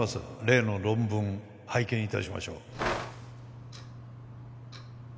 例の論文拝見致しましょう。